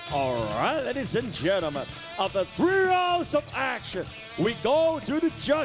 เอาล่ะทุกคนตอนที่๓นาทีเราจะไปกันกับการตัดตัดตัด